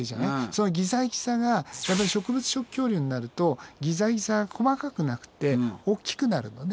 そのギザギザが植物食恐竜になるとギザギザが細かくなくておっきくなるのね。